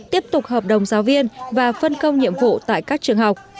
tiếp tục hợp đồng giáo viên và phân công nhiệm vụ tại các trường học